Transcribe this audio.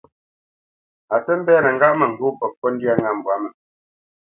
A tə mbénə ŋgâʼ mə ŋgó pə kot ndyâ ŋá mbwǎ mə.